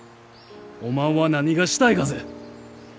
おまんは何がしたいがぜ？